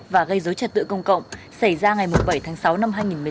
và gây dối trật tự công cộng xảy ra ngày bảy tháng sáu năm hai nghìn một mươi sáu